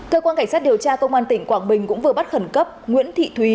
cơ quan cảnh sát điều tra công an tỉnh quảng bình cũng vừa bắt khẩn cấp nguyễn thị thúy